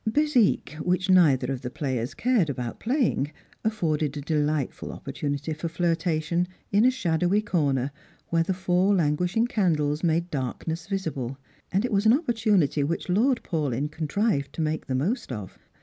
Bezique, which neither of the players cared about playing, afforded a delightful opportunity for flirtation, in a shadowy corner, where the four languishing candles made darkness visible ; and it was an opportunity which Lord Paulyn contrived to make the most of.